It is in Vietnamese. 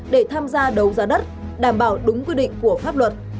để tham gia đấu giá đất đảm bảo đúng quy định của pháp luật